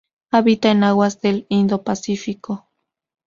Habita en aguas del Indo-Pacífico.